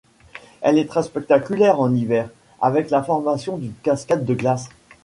Elle est très spectaculaire en hiver avec la formation d'une cascade de glace.